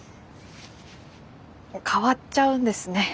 変わっちゃうんですね